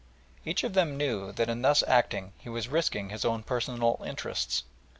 Each of them knew that in thus acting he was risking his own personal interests.